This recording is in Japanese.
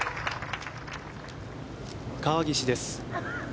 川岸です。